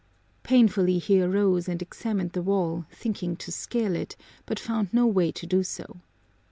Painfully he arose and examined the wall, thinking to scale it, but found no way to do so.